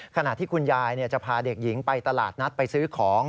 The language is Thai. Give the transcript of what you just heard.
ขณะที่คุณยายจะพาเด็กหญิงไปตลาดนัดไปซื้อของ